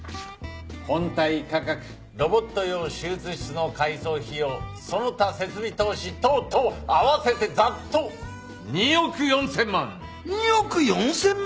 本体価格ロボット用手術室の改装費用その他設備投資等々合わせてざっと２億４０００万。２億４０００万！？